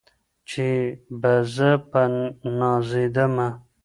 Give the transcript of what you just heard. چي به زه په نازېدمه